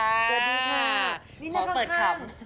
สวัสดีค่ะขอเปิดคำ